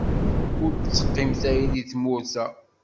Ur d-teqqim tayri deg tmurt-a.